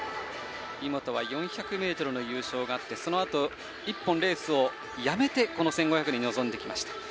井本は４００ｍの優勝があってそのあと、１本レースをやめてこの１５００に臨んできました。